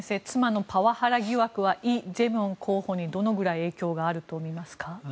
妻のパワハラ疑惑はイ・ジェミョン候補にどのぐらい影響があると見ますか。